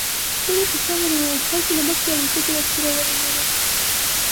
ولې په سمه نه وایاست؟ تاسې له مخکې الوتکې را پسې را ولېږلې.